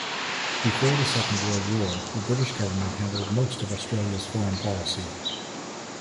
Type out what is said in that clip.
Before the Second World War, the British Government handled most of Australia's foreign policy.